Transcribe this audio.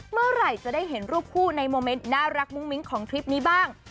เมื่อไหร่จะได้เห็นรูปคู่ในโมเมนต์น่ารักมุ้งมิ้งของทริปนี้บ้าง